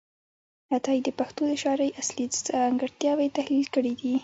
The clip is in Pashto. عطايي د پښتو د شاعرۍ اصلي ځانګړتیاوې تحلیل کړې دي.